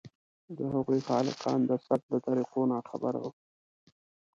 د هغو خالقان د ثبت له طریقو ناخبره وو.